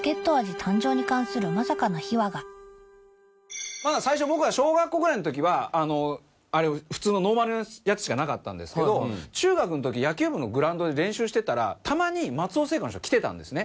誕生に関するまさかの秘話が僕が小学校ぐらいのときはノーマルなやつしかなかったんですけど中学のとき野球部のグラウンドで練習してたらたまに松尾製菓の人が来てたんですね。